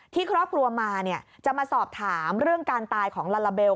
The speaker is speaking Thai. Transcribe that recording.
ที่ครอบครัวมาจะมาสอบถามเรื่องการตายของลาลาเบล